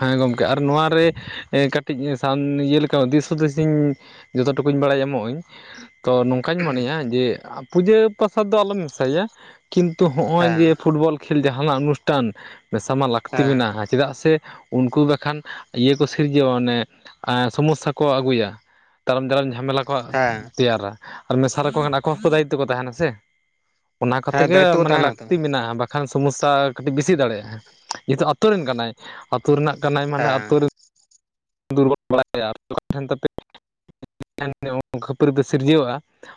ᱦᱮᱸ ᱜᱚᱝᱠᱮ ᱟᱨ ᱱᱚᱶᱟ ᱨᱮ ᱠᱟᱴᱤᱡ ᱥᱟᱱ ᱤᱭᱟᱹ ᱞᱮᱠᱟ ᱫᱤᱥ ᱦᱩᱫᱤᱥᱤᱧᱼᱼ ᱡᱚᱛᱚ ᱴᱩᱠᱩᱧ ᱵᱟᱲᱟᱭ ᱧᱟᱢᱚᱜ ᱟᱹᱧ ᱛᱚ ᱱᱚᱝᱼᱼ ᱠᱟᱧ ᱢᱚᱱᱮᱭᱟ ᱡᱮ ᱯᱩᱡᱟᱹ ᱯᱟᱥᱟ ᱫᱚ ᱟᱞᱚᱢ ᱢᱮᱥᱟᱭᱟ ᱠᱤᱱᱛᱩ ᱱᱚᱜ-ᱚᱭ ᱦᱮᱸ ᱡᱮ ᱯᱷᱩᱴᱵᱚᱞᱼᱼ ᱠᱷᱮᱞ ᱡᱟᱦᱟᱸ ᱱᱟᱜ ᱟᱹᱱᱩᱥᱴᱷᱟᱱ ᱢᱮᱥᱟ ᱢᱟ ᱞᱟᱠᱛᱤ ᱦᱮᱸ ᱢᱮᱱᱟᱜ-ᱟ, ᱦᱟᱸ᱾ ᱪᱮᱫᱟᱜ ᱥᱮ ᱩᱱᱠᱩ ᱵᱟᱠᱷᱟᱱ ᱤᱭᱟᱹ ᱠᱚ ᱥᱤᱨᱡᱟᱹᱣᱟ ᱚᱱᱮ ᱮᱸ ᱥᱚᱢᱚᱥᱥᱟ ᱠᱚ ᱟᱜᱩᱭᱟ᱾ ᱛᱟᱭᱚᱢ ᱫᱟᱨᱟᱢ ᱡᱷᱟᱢᱮᱞᱟ ᱠᱚ ᱦᱮᱸ ᱛᱮᱭᱟᱨᱟ ᱢᱮᱥᱟ ᱞᱮᱠᱚ ᱠᱷᱟᱱ ᱟᱠᱚ ᱦᱚᱸᱠᱚ ᱫᱟᱭᱤᱛᱛᱚ ᱠᱚ ᱛᱟᱦᱮᱱᱟ ᱥᱮ᱾ ᱚᱱᱟ ᱠᱚ ᱛᱮ ᱦᱮᱸ ᱜᱮ ᱫᱟᱭᱤᱛᱛᱚ ᱠᱚ ᱢᱟᱱᱮ ᱛᱟᱦᱮᱱᱟ ᱛᱚ ᱞᱟᱠᱛᱤ ᱢᱮᱱᱟᱜ-ᱟ ᱵᱟᱠᱷᱟᱱ ᱥᱚᱢᱚᱥᱥᱟ ᱠᱟᱹᱴᱤᱡ ᱵᱤᱥᱤ ᱫᱟᱲᱮᱭᱟᱜ-ᱟ ᱡᱮᱦᱮᱛᱩ ᱟᱛᱩ ᱨᱮᱱᱼᱼ ᱠᱟᱱᱟᱭ ᱟᱛᱩ ᱨᱮᱱᱟᱜ ᱠᱟᱱᱟᱭ ᱢᱟᱱᱮ ᱦᱮᱸ ᱟᱛᱩ ᱨᱮ ᱫᱩᱨᱵᱚᱞ ᱵᱟᱲᱟᱭᱟ ᱟᱨ ᱠᱟ ᱴᱷᱮᱱ ᱛᱟᱯᱮ᱾ [UNINTELLIGIBLE] [INAUDIBLE] ᱠᱷᱟᱹᱯᱟᱹᱨᱤ ᱫᱚ ᱥᱤᱨᱡᱟᱹᱣᱟ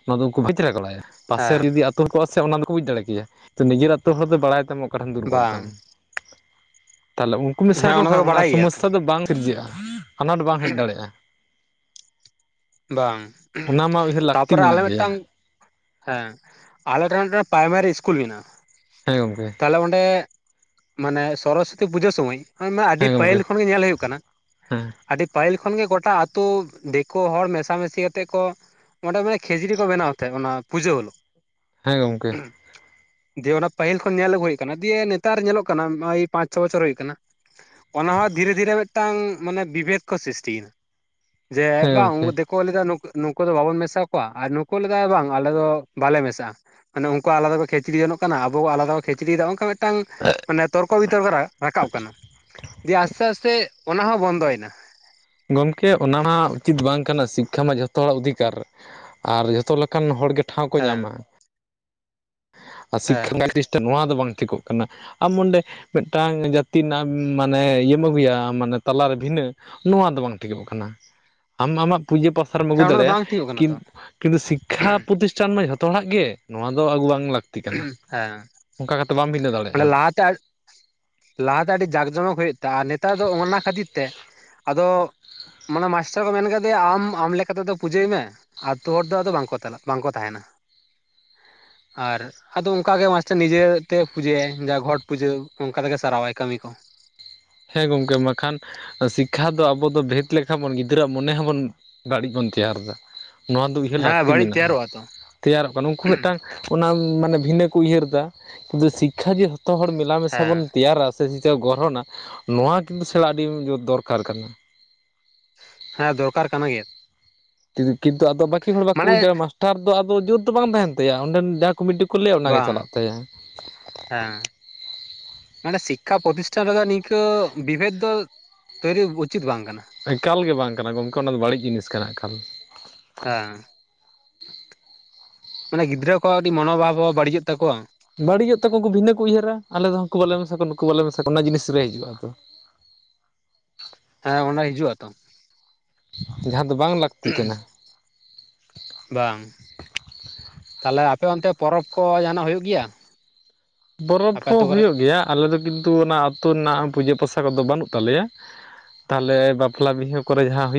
ᱚᱱᱟ ᱫᱚ ᱩᱱᱠᱩ ᱵᱷᱤᱪᱨᱟ ᱠᱚ ᱞᱟᱭᱟ᱾ ᱯᱟᱥᱮ ᱦᱮᱸ ᱨᱮ ᱡᱩᱫᱤ ᱟᱛᱩ ᱦᱳᱭ ᱠᱚᱜ-ᱟ ᱥᱮ ᱚᱱᱟ ᱫᱚᱠᱚ ᱵᱩᱡᱽ ᱫᱟᱲᱮ ᱠᱮᱭᱟ ᱛᱚ ᱱᱤᱡᱮᱨ ᱟᱛᱩ ᱦᱚᱲ ᱫᱚ ᱵᱟᱲᱟᱭ ᱛᱟᱢᱟᱠᱚᱼᱼ ᱚᱠᱟ ᱴᱷᱮᱱ ᱫᱩᱨᱵᱚᱞ ᱛᱟᱢ ᱵᱟᱝ ᱛᱟᱦᱚᱞᱮ ᱩᱱᱠᱩ ᱢᱮᱥᱟ ᱦᱮᱸ ᱞᱮᱠᱚ ᱠᱷᱟᱱ ᱫᱚᱠᱚ ᱚᱱᱟ ᱵᱟᱰᱟᱭ ᱜᱮᱭᱟ ᱛᱚ ᱥᱚᱢᱚᱥᱥᱟ ᱫᱚ ᱵᱟᱝ ᱥᱤᱨᱡᱟᱹᱜ-ᱟ᱾ ᱟᱱᱟᱴ ᱵᱟᱝ ᱦᱮᱡ ᱫᱟᱲᱮ-ᱟ᱾ ᱵᱟᱝ ᱩᱸᱦᱩ ᱩᱭᱦᱟᱹᱨ ᱞᱟᱹᱠᱛᱤ ᱛᱟᱯᱚᱨᱮ ᱟᱞᱮ ᱢᱮᱱᱟᱜ ᱜᱮᱭᱟ ᱢᱮᱜᱴᱟᱝᱼᱼ ᱦᱮᱸ ᱟᱞᱮ ᱴᱷᱮᱱ ᱨᱮ ᱯᱨᱟᱭᱢᱟᱨᱤ ᱤᱥᱠᱩᱞ ᱢᱤᱱᱟᱜ-ᱟ᱾ ᱦᱮᱸ ᱜᱚᱢᱠᱮ ᱛᱟᱦᱚᱞᱮ ᱚᱸᱰᱮ ᱢᱟᱱᱮ ᱥᱚᱨᱚᱥᱚᱛᱤ ᱯᱩᱡᱟᱹ ᱥᱚᱢᱟᱹᱭᱼᱼ ᱚᱱᱟ ᱢᱟ ᱟᱰᱤ ᱦᱮᱸ ᱜᱚᱢᱠᱮ ᱯᱟᱹᱦᱤᱞ ᱠᱷᱚᱱ ᱜᱮ ᱧᱮᱞ ᱦᱩᱭᱩᱜ ᱠᱟᱱᱟ ᱦᱮᱸ ᱟᱰᱤ ᱯᱟᱦᱤᱞ ᱠᱷᱚᱱ ᱜᱮ ᱜᱚᱴᱟ ᱟᱛᱩ ᱫᱮᱠᱚ ᱦᱚᱲᱼᱼ ᱢᱮᱥᱟᱼᱢᱤᱥᱤ ᱠᱟᱛᱮᱜ ᱠᱚ ᱚᱸᱰᱮ ᱢᱟᱱᱮ ᱠᱷᱮᱪᱲᱤ ᱠᱚ ᱵᱮᱱᱟᱣ ᱛᱟᱦᱮᱸᱜ ᱚᱱᱟ ᱯᱩᱡᱟᱹ ᱦᱤᱞᱚᱜ᱾ ᱦᱮᱸ ᱜᱚᱝᱠᱮ᱾ ᱡᱮ ᱚᱱᱟ ᱯᱟᱹᱦᱤᱞ ᱠᱷᱚᱱ ᱧᱮᱞ ᱟᱹᱜᱩ ᱦᱚᱭ ᱠᱟᱱᱟ ᱡᱮ ᱱᱮᱛᱟᱨ ᱧᱮᱞᱚᱜ ᱠᱟᱱᱟ ᱚᱭ‌ ᱯᱟᱸᱪ ᱪᱷᱚ ᱵᱚᱪᱷᱚᱨ ᱦᱚᱭᱚᱜ ᱠᱟᱱᱟ᱾ ᱚᱱᱟ ᱦᱚᱸ ᱫᱷᱤᱨᱮ ᱫᱷᱤᱨᱮ ᱢᱤᱫᱴᱟᱝ ᱢᱟᱱᱮ ᱵᱤᱵᱷᱮᱫ ᱠᱚ ᱥᱨᱤᱥᱴᱤᱭᱮᱱᱟ, ᱡᱮ ᱦᱮᱸ ᱵᱟᱝ ᱜᱚᱢᱠᱮ ᱫᱤᱠ ᱠᱚ ᱞᱟᱹᱭ ᱫᱟ ᱱᱩᱠ ᱱᱩᱠᱩ ᱫᱚ ᱵᱟᱵᱚᱱ ᱢᱮᱥᱟ ᱠᱚᱣᱟ ᱟᱨ ᱱᱩᱠᱩ ᱞᱟᱹᱭ ᱫᱟ ᱵᱟᱝ ᱟᱞᱮ ᱫᱚ ᱵᱟᱞᱮ ᱢᱮᱥᱟᱜ-ᱟ᱾ ᱢᱟᱱᱮ ᱩᱱᱠᱩ ᱟᱞᱟᱫᱟ ᱠᱚ ᱠᱷᱮᱪᱲᱤ ᱡᱚᱝᱚᱜ ᱠᱟᱱᱟ ᱟᱵᱚᱣᱟᱜ ᱟᱞᱟᱫᱟ ᱠᱚ ᱠᱷᱮᱪᱲᱤᱭ ᱫᱟ ᱚᱱᱠᱟ ᱢᱮ ᱢᱤᱫᱴᱟᱝ ᱢᱟᱱᱮ ᱛᱚᱨᱠᱚ ᱵᱤᱛᱚᱨᱠᱚ ᱨᱟᱠᱟᱵ ᱠᱟᱱᱟ ᱡᱮ‌ ᱟᱥᱛᱮ ᱟᱥᱛᱮᱼᱼ ᱚᱱᱟ ᱦᱚᱸ ᱵᱚᱱᱫᱚᱭ ᱱᱟ᱾ ᱜᱚᱢᱠᱮ ᱚᱱᱟ ᱢᱟ ᱩᱪᱤᱛ ᱵᱟᱝ ᱠᱟᱱᱟ ᱥᱤᱠᱠᱷᱟ ᱢᱟ ᱡᱷᱚᱛᱚ ᱦᱚᱲᱟᱜ ᱚᱫᱷᱤᱠᱟᱨ᱾ ᱟᱨ ᱡᱷᱚᱛᱚ ᱞᱮᱠᱟᱱ ᱦᱚᱲ ᱜᱮ ᱴᱷᱟᱶ ᱠᱚ ᱦᱮᱸ ᱧᱟᱢᱟ ᱟᱨ ᱦᱮᱸ ᱥᱤᱠᱠᱷᱟ ᱞᱟᱹᱜᱤᱫ ᱛᱮ ᱱᱚᱶᱟ ᱫᱚ ᱵᱟᱝ ᱴᱷᱤᱠᱩᱜ ᱠᱟᱱᱟ᱾ ᱟᱢ ᱚᱸᱰᱮ ᱢᱮᱫᱴᱟᱝ ᱡᱟᱛᱤ ᱨᱮᱱᱟᱜ ᱢᱟᱱᱮ ᱤᱭᱟᱹᱢ ᱟᱹᱜᱩᱭᱟ ᱢᱟᱱᱮ ᱛᱟᱞᱟ ᱨᱮ ᱵᱷᱤᱱᱟᱹ᱾ ᱱᱚᱣᱟ ᱫᱚ ᱵᱟᱝ ᱴᱷᱤᱠᱚᱜ ᱠᱟᱱᱟ ᱟᱢ ᱟᱢᱟᱜ ᱯᱩᱡᱟᱹ ᱯᱟᱥᱟ ᱨᱮᱢ ᱟᱹᱜᱩ ᱦᱮᱸ ᱚᱱᱟ ᱫᱚ ᱫᱟᱲᱮᱭᱟᱜᱼᱟ ᱵᱟᱝ ᱴᱷᱤᱠᱚᱜ ᱠᱟᱱᱟ ᱛᱚ ᱠᱤᱱᱛᱩᱼᱼ ᱠᱤᱱᱛᱩ ᱥᱤᱠᱠᱷᱟ ᱯᱨᱚᱛᱤᱥᱴᱷᱟᱱ ᱢᱟ ᱡᱷᱚᱛᱚ ᱦᱚᱲᱟᱜ ᱜᱮ, ᱱᱚᱣᱟ ᱫᱚ ᱟᱜᱩ ᱵᱟᱝ ᱞᱟᱹᱠ ᱦᱮᱸ, ᱢᱟᱱᱮ ᱫᱟᱲᱮᱭᱟᱜᱼᱟ ᱞᱟᱦᱟᱛᱮ ᱞᱟᱦᱟᱝᱛᱮ ᱟᱹᱰᱤ ᱡᱟᱠ ᱡᱚᱢᱚᱠ ᱦᱩᱭᱩᱜ ᱛᱟᱦᱮ ᱟᱨ ᱱᱮᱛᱟᱨ ᱫᱚ ᱚᱱᱟ ᱠᱷᱟᱹᱛᱤᱨ ᱛᱮ, ᱟᱫᱚ ᱢᱟᱱᱮ ᱢᱟᱥᱴᱟᱨ ᱠᱚ ᱢᱮᱱ ᱟᱠᱟᱫᱮ ᱟᱢ ᱟᱢ ᱞᱮᱠᱟᱛᱮᱫᱚ ᱯᱩᱡᱟᱹᱭ ᱢᱮ᱾ ᱛᱳ ᱦᱚᱲ ᱫᱚ ᱟᱫᱚ ᱵᱟᱝᱠᱚ ᱛᱟᱞᱟ ᱵᱟᱝᱠᱚ ᱛᱟᱦᱮᱱᱟ, ᱟᱨ ᱟᱫᱚ ᱚᱱᱠᱟᱟᱜ ᱜᱮ ᱢᱟᱥᱴ ᱱᱤᱡᱮᱛᱮ ᱯᱩᱡᱟᱹᱭᱟᱭ ᱡᱟ ᱜᱚᱴ ᱯᱩᱡᱟᱹ ᱚᱱᱠᱟ ᱛᱮᱜᱮ ᱥᱟᱨᱟᱣᱟᱭ ᱠᱟᱹᱢᱤ ᱠᱚ᱾ ᱦᱮᱸ ᱜᱚᱢᱠᱮ ᱢᱟᱠᱷᱟᱱ ᱥᱤᱠᱠᱷᱟ ᱫᱚ ᱟᱵᱚ ᱫᱚ ᱵᱷᱮᱫ ᱞᱮᱠᱷᱟᱱ ᱵᱚᱱ ᱜᱤᱫᱽᱨᱟᱹᱣᱟᱜ ᱢᱚᱱᱮ ᱦᱚᱸᱵᱚᱱ ᱵᱟᱹᱲᱤᱡ ᱵᱚᱱ ᱛᱮᱭᱟᱨ ᱫᱟ᱾ ᱱᱚᱣᱟ ᱫᱚ ᱩᱭᱦᱟᱹᱨ ᱦᱮᱸ ᱞᱟᱹᱠᱛᱤ ᱵᱟᱹᱲᱤᱡ ᱢᱮᱱᱟᱜᱼᱟ, ᱛᱮᱭᱟᱨᱚᱜᱼᱟ ᱛᱚ ᱛᱮᱭᱟᱨᱚᱜ ᱠᱟᱱᱟ ᱩᱱᱠᱩ ᱢᱤᱫᱴᱟᱝ ᱚᱱᱟ ᱢᱟᱱᱮ ᱵᱷᱤᱱᱟᱹ ᱠᱚ ᱩᱭᱦᱟᱹᱨ ᱫᱟ, ᱠᱤᱱᱛᱩ ᱥᱤᱠᱠᱷᱟ ᱡᱮ ᱡᱷᱚᱛᱚ ᱦᱚᱲ ᱢᱮᱞᱟ ᱢᱮᱥᱟ ᱦᱮᱸ ᱵᱚᱱ ᱛᱮᱭᱟᱨᱟ᱾ ᱥᱮᱪ ᱜᱚᱲᱦᱚᱱᱟ ᱱᱚᱣᱟ ᱠᱤᱱᱛᱩ ᱥᱮᱬᱟ ᱟᱹᱰᱤᱳᱨ ᱫᱚᱨᱠᱟᱨ ᱠᱟᱱᱟ᱾ ᱦᱮᱸ ᱫᱚᱨᱠᱟᱨ ᱠᱟᱱᱟ ᱜᱮᱭᱟ᱾ ᱠᱤᱱᱛᱩ ᱟᱫᱚ ᱵᱟᱹᱠᱤ ᱦᱚᱲ ᱵᱟᱠᱚ ᱢᱟᱱᱮ ᱵᱩᱡ ᱫᱟᱲᱮᱭᱟᱜᱼᱟ, ᱢᱟᱥᱴᱟᱨ ᱫᱚ ᱟᱫᱚ ᱡᱩᱛ ᱫᱚ ᱵᱟᱝ ᱛᱟᱦᱮᱱ ᱛᱟᱭᱟ ᱚᱸᱰᱮᱱ ᱡᱟ ᱠᱩᱢᱤᱴᱤ ᱠᱚ ᱞᱟᱹᱭᱟ ᱚᱱᱟᱜᱮ ᱵᱟᱝ ᱪᱟᱞᱟᱜ ᱛᱟᱭᱟ᱾ ᱦᱮᱸ ᱢᱮ ᱥᱤᱠᱠᱷᱟ ᱯᱨᱚᱛᱤᱥᱴᱷᱟᱱ ᱨᱮᱫᱚ ᱱᱤᱝᱠᱟᱹ ᱵᱤᱵᱷᱮᱫ ᱫᱚ ᱛᱳᱭᱨᱤ ᱩᱪᱤᱛ ᱵᱟᱝ ᱠᱟᱱᱟ᱾ ᱮᱠᱟᱞ ᱜᱮ ᱵᱟᱝ ᱠᱟᱱᱟ ᱜᱚᱢᱠᱮ ᱚᱱᱟᱫᱚ ᱵᱟᱹᱲᱤᱡ ᱡᱤᱱᱤᱥ ᱠᱟᱱᱟ ᱮᱠᱟᱞ᱾ ᱦᱮᱸ᱾ ᱢᱟᱱᱮ ᱜᱤᱫᱽᱨᱟᱹ ᱠᱚᱣᱟᱜ ᱟᱹᱰᱤ ᱢᱚᱱᱚᱵᱷᱟᱵ ᱦᱚᱸ ᱵᱟᱹᱲᱤᱡᱚᱜ ᱛᱟᱠᱚᱣᱟ᱾ ᱵᱟᱹᱲᱤᱡᱚᱜ ᱛᱟᱠᱚᱣᱟᱠᱩ ᱵᱷᱤᱱᱟᱹ ᱠᱚ ᱩᱭᱦᱟᱹᱨᱟ, ᱟᱞᱮ ᱫᱚ ᱦᱚᱸᱠᱩ ᱵᱟᱞᱮ ᱢᱮᱥᱟ ᱠᱚᱣᱟ ᱱᱩᱠᱩ ᱵᱟᱞᱮ ᱢᱮᱥᱟ ᱠᱚ ᱚᱱᱟ ᱡᱤᱱᱤᱥ ᱨᱮ ᱦᱤᱡᱩᱜᱼᱟ ᱛᱚ᱾ ᱦᱮᱸ ᱚᱸᱱᱟ ᱦᱤᱡᱩᱜ-ᱟ ᱛᱚ᱾ ᱡᱟᱦᱟᱸ ᱫᱚ ᱵᱟᱝ ᱞᱟᱹᱠᱛᱤ ᱠᱟᱱᱟ᱾ ᱵᱟᱝ᱾ ᱛᱟᱦᱞᱮ ᱟᱯᱮ ᱚᱱᱛᱮ ᱯᱚᱨᱚᱵᱽ ᱠᱚ ᱡᱟᱦᱟᱸᱟᱱᱟᱜ ᱦᱩᱭᱩᱜ ᱜᱮᱭᱟ? ᱵᱚᱨᱚᱯᱷ ᱟᱯᱮ ᱦᱚᱸ ᱟᱹᱛᱩ ᱠᱚᱨᱮ? ᱦᱩᱭᱩᱜ ᱜᱮᱭᱟ ᱟᱞᱮ ᱫᱚ ᱠᱤᱱᱛᱩ ᱚᱱᱟ ᱟᱹᱛᱩ ᱨᱮᱱᱟᱜ ᱯᱩᱡᱟᱹ ᱯᱟᱥᱟ ᱠᱚᱫᱚ ᱵᱟᱹᱱᱩᱜ ᱛᱟᱞᱮᱭᱟ᱾ ᱛᱟᱦᱚᱞᱮ ᱵᱟᱯᱞᱟ ᱵᱤᱦᱟᱹ ᱠᱚᱨᱮ ᱡᱟᱦᱟᱸ ᱦᱩᱭᱩᱜ